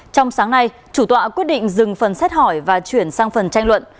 trong sáng nay chủ tọa quyết định dừng phần xét hỏi và chuyển sang phần tranh luận